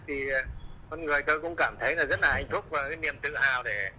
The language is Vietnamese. thì con người tôi cũng cảm thấy là rất là hạnh phúc và cái niềm tự hào để